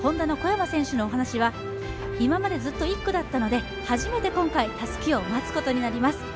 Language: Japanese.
Ｈｏｎｄａの小山選手のお話は今までずっと１区だったので、初めて今回たすきを待つことになります。